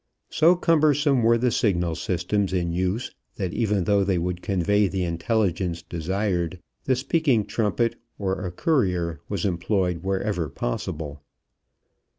So cumbersome were the signal systems in use that even though they would convey the intelligence desired, the speaking trumpet or a courier was employed wherever possible.